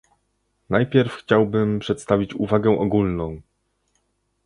Najpierw chciałbym przedstawić uwagę ogólną